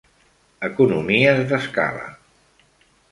Economies d'escala.